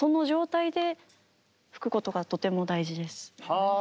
はあ。